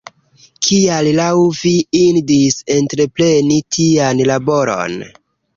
Kial laŭ vi indis entrepreni tian laboron?